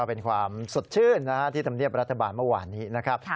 ก็เป็นความสดชื่นนะคะที่ทำเรียบรัฐบาลเมื่อวานนี้นะครับ